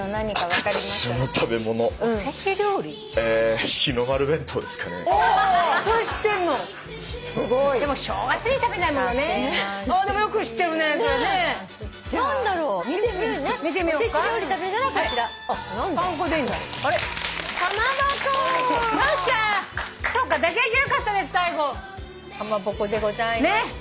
「かまぼこ」でございました。